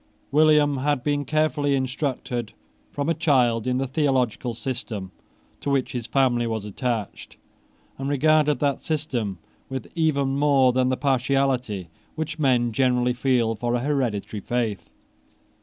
William had been carefully instructed from a child in the theological system to which his family was attached, and regarded that system with even more than the partiality which men generally feel for a hereditary faith.